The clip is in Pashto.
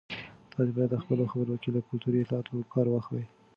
تاسي باید په خپلو خبرو کې له کلتوري اصطلاحاتو کار واخلئ.